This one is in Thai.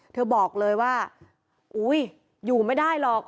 เธอบอกเลยว่าอุ๊ยอยู่ไม่ได้หรอก